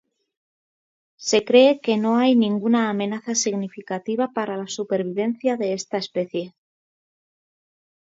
Se cree que no hay ninguna amenaza significativa para la supervivencia de esta especie.